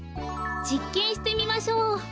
じっけんしてみましょう。